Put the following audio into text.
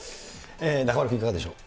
中丸君いかがでしょう。